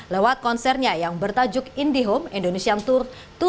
lewat konsernya yang bertajuk indie home indonesian tour dua ribu enam belas